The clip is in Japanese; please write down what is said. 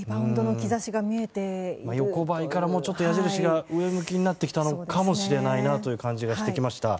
矢印が横ばいから上向きになってきたのかもしれないなという感じがしてきました。